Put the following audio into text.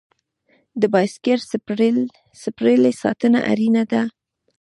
د بایسکل سپرلۍ ساتنه اړینه ده.